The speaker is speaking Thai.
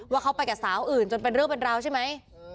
ว่าเขาไปกับสาวอื่นจนเป็นเรื่องเป็นราวใช่ไหม